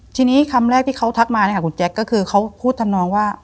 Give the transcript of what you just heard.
ทีนี้คำแรกที่เขาทักมาเนี่ยค่ะคุณแจ๊คก็คือเขาพูดทำนองว่า